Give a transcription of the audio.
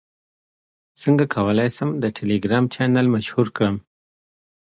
څنګه کولی شم د ټیلیګرام چینل مشهور کړم